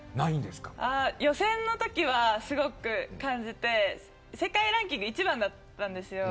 予選のときはすごく感じて世界ランキング１番だったんですよ。